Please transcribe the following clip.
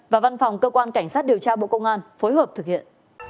và văn phòng cơ quan cảnh sát điều tra bộ công an phối hợp thực hiện